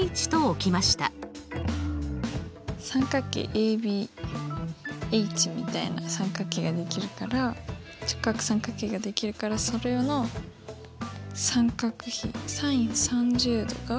ＡＢＨみたいな三角形ができるから直角三角形ができるからそれの三角比ｓｉｎ３０°が２分の１か。